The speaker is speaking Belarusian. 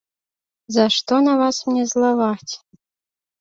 За што на вас мне злаваць.